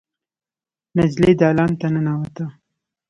نجلۍ دالان ته ننوته.